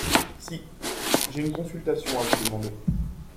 Si !… j’ai une consultation à vous demander.